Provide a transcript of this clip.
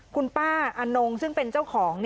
คุณป้าอนงซึ่งเป็นเจ้าของ